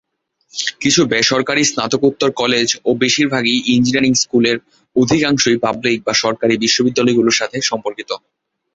কিছু বেসরকারী স্নাতকোত্তর কলেজ ও বেশিরভাগই ইঞ্জিনিয়ারিং স্কুলের, অধিকাংশই পাবলিক বা সরকারি বিশ্ববিদ্যালয়গুলির সাথে সম্পর্কিত।